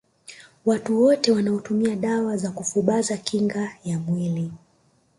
Watu wote wanaotumia dawa za kufubaza kinga ya mwili